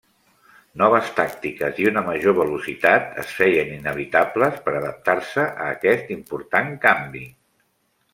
Noves tàctiques, i una major velocitat es feien inevitables per adaptar-se a aquest important canvi.